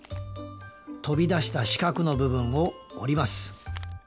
飛び出した四角の部分を折ります。